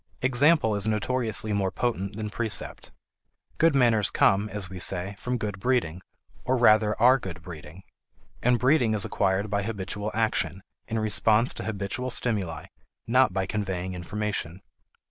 Example is notoriously more potent than precept. Good manners come, as we say, from good breeding or rather are good breeding; and breeding is acquired by habitual action, in response to habitual stimuli, not by conveying information.